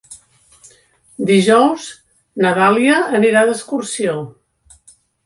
Dijous na Dàlia anirà d'excursió.